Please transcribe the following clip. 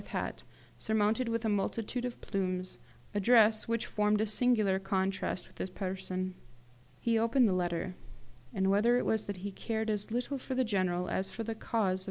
hat, surmounted with a multitude of plumes, a dress which formed a singular contrast with his person. He opened the letter; and whether it was that he cared as little for the General as for the cause of M.